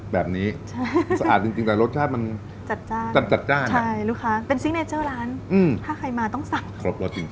แบบนี้ใช่สะอาดจริงแต่รสชาติมันจัดจัดใช่ลูกค้าเป็นร้านอืมถ้าใครมาต้องสั่งครบจริง